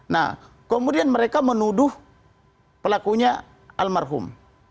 nah kemudian mereka menuduh pelakunya almarhum